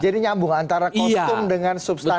jadi nyambung antara kostum dengan substansi